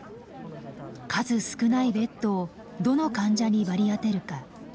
数少ないベッドをどの患者に割り当てるか。